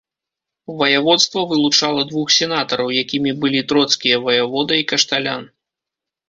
Ваяводства вылучала двух сенатараў, якімі былі троцкія ваявода і кашталян.